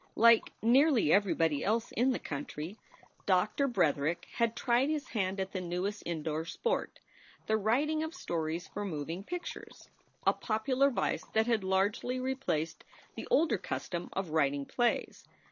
Like nearly everybody else in the country, Doctor Breth 20 SOULS FOR SALE erick had tried his hand at the newest indoor sport, the writing of stories for moving pictures a popular vice that had largely replaced the older custom of writing plays.